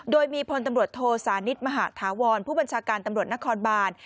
โดยมีพลตำรวจโทสานิทมหาธาวรผู้บัญชาการตำรวจนครบาน